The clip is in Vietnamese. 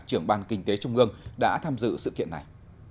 trưởng ban kinh tế trung ương đã tham dự sự kiện này